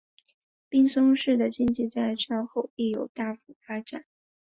滨松市的经济在战后亦有大幅发展。